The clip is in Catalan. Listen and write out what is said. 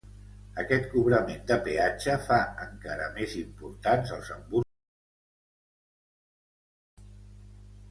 Aquest cobrament de peatge fa encara més importants els embussos que s'hi formen.